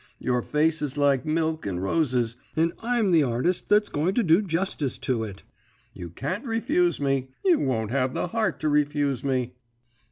Your face is like milk and roses, and I'm the artist that's going to do justice to it. You can't refuse me; you won't have the heart to refuse me.'